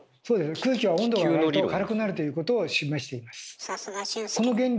空気は温度が上がると軽くなるということを示しています。